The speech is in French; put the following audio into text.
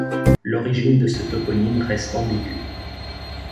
L'origine de ce toponyme reste ambigüe.